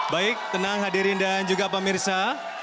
baik tenang hadirin dan juga pak mirsa